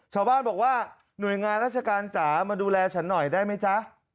ชาวบ้านบอกว่าหน่วยงานราชการจ๋ามาดูแลฉันหน่อยได้ไหมจ๊ะ